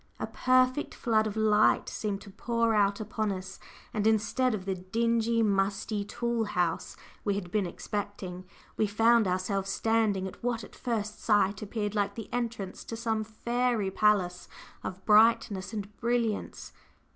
A perfect flood of light seemed to pour out upon us, and instead of the dingy, musty tool house we had been expecting, we found ourselves standing at what at first sight appeared like the entrance to some fairy palace of brightness and brilliance.